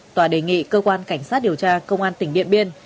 tòa đề nghị cơ quan cảnh sát điều tra công an tỉnh điện biên